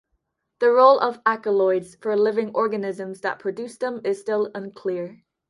The role of alkaloids for living organisms that produce them is still unclear.